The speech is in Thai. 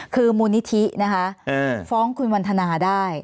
คือมูลนิธินะคะฟ้องคุณวันทนาได้